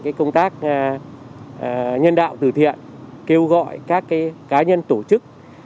cái công tác nhân đạo từ thiện kêu gọi các cái cá nhân tổ chức